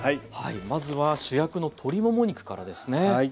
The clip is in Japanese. まずは主役の鶏もも肉からですね。